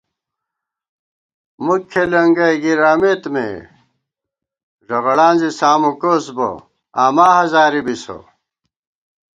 مُک کھېلېنگَئ گِرَمېت مے ݫغڑاں زی سامُکوس بہ آما ہزاری بِسہ